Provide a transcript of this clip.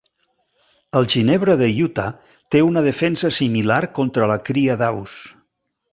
El ginebre de Utah té una defensa similar contra la cria d'aus.